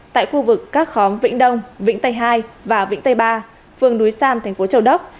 tại khu vực các khóm vĩnh đông vĩnh tây hai và vĩnh tây ba phường núi sam thành phố châu đốc